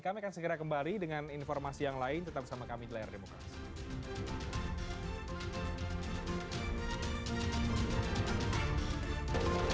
kami akan segera kembali dengan informasi yang lain tetap bersama kami di layar demokrasi